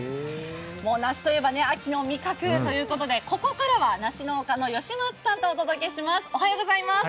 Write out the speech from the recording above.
梨といえば秋の味覚ということで、ここからは梨農家の吉松さんとお届けします。